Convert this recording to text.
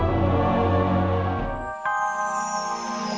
tidur untuk selamanya